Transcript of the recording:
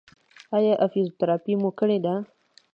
ایا فزیوتراپي مو کړې ده؟